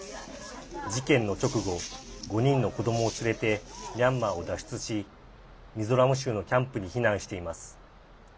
事件の直後５人の子どもを連れてミャンマーを脱出しミゾラム州のキャンプに避難しています。